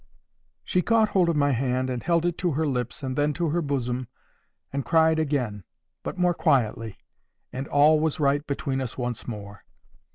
She caught hold of my hand and held it to her lips, and then to her bosom, and cried again, but more quietly, and all was right between us once more.